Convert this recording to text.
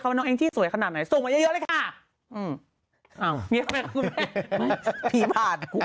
ก็คืออังจรีน่ารักมาก